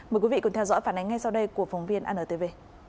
mời quý vị cùng theo dõi phản ánh ngay sau đây của phóng viên antv